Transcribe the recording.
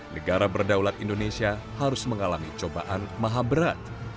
negara berdaulat indonesia harus mengalami cobaan maha berat